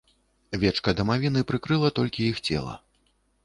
Вечка дамавіны прыкрыла толькі іх цела.